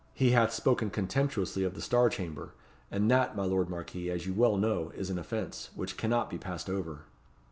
He hath spoken contemptuously of the Star Chamber, and that, my lord Marquis, as you well know, is an offence, which cannot be passed over."